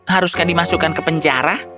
haruskan dimasukkan ke penjara